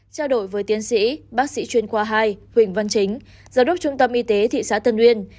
trao đổi với tiến sĩ bác sĩ chuyên khoa hai huỳnh văn chính giám đốc trung tâm y tế thị xã tân uyên